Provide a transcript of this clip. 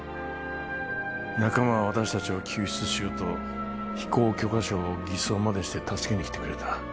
仲間は私達を救出しようと飛行許可証を偽装までして助けに来てくれた